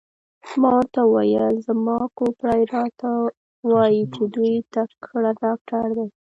ما ورته وویل: زما کوپړۍ راته وایي چې دی تکړه ډاکټر دی.